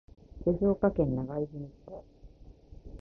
静岡県長泉町